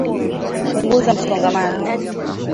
Punguza msongamano